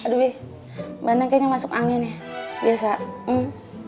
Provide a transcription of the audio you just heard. mi aduhi mba negatif masuk ini ini kegiasan